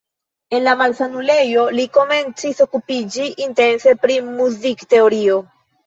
En la malsanulejo li komencis okupiĝi intense pri muzikteorio.